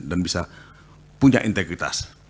dan bisa punya integritas